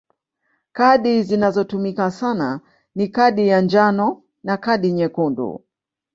Kadi zinazotumika sana ni kadi ya njano na kadi nyekundu.